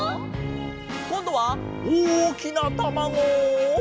こんどはおおきなたまご！